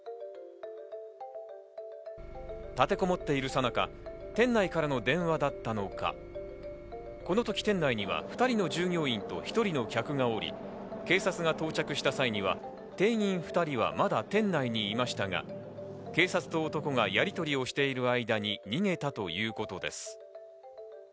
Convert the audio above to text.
立てこもっている最中、店内からの電話だったのか、このとき店内には２人の従業員と１人の客がおり、警察が到着した際には店員２人はまだ店内にいましたが、警察と男がやりとりをしている間に逃げたということです。